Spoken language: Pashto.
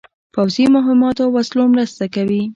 پوځي مهماتو او وسلو مرسته کوي.